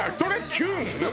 キュン。